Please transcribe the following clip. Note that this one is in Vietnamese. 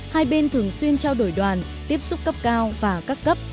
hai bên thường xuyên trao đổi đoàn tiếp xúc cấp cao và các cấp